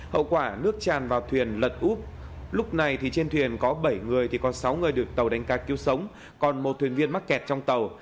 hậu quả nước tràn vào thuyền lật úp lúc này thì trên thuyền có bảy người thì còn sáu người được tàu đánh cá cứu sống còn một thuyền viên mắc kẹt trong tàu